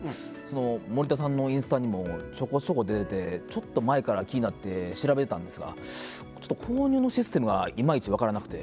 森田さんのインスタにもちょこちょこ出ててちょっと前から気になって調べてたんですがちょっと購入のシステムがいまいち分からなくて。